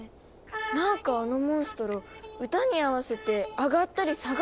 なんかあのモンストロ歌に合わせて上がったり下がったりしてる。